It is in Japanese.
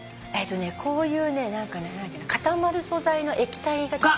こういうね固まる素材の液体が。